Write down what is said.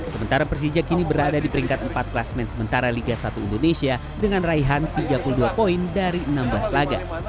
sementara persija kini berada di peringkat empat klasmen sementara liga satu indonesia dengan raihan tiga puluh dua poin dari enam belas laga